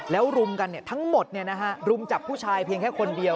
แล้วรุมกันทั้งหมดรุมจับผู้ชายเพียงแค่คนเดียว